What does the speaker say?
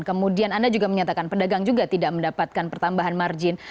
kemudian anda juga menyatakan pedagang juga tidak mendapatkan pertambahan margin